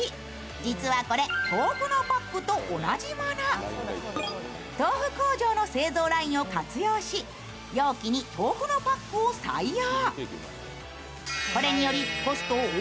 実はこれ、豆腐のパックと同じもの豆腐工場の製造ラインを活用し、容器に豆腐のパックを採用。